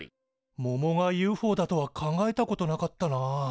ももがＵＦＯだとは考えたことなかったな。